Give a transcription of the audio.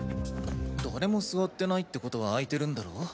誰も座ってないってことは空いてるんだろ？